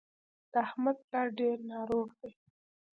د احمد پلار ډېر ناروغ دی.